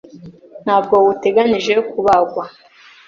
Ntabwo uteganijwe kubagwa.